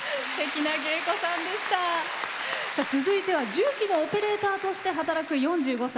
続いては重機のオペレーターとして働く４５歳。